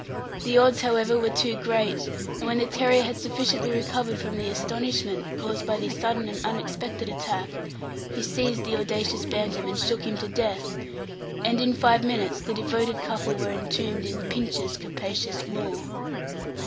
The odds, however, were too great; and, when the terrier had sufficiently recovered from the astonishment caused by the sudden and unexpected attack, he seized the audacious Bantam, and shook him to death; and, in five minutes, the devoted couple were entombed in Pincher's capacious maw.